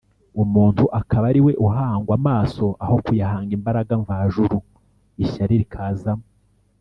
. Umuntu akaba ari we uhangwa amaso aho kuyahanga imbaraga mvajuru, ishyari rikazamo